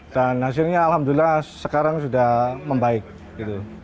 dan hasilnya alhamdulillah sekarang sudah membaik gitu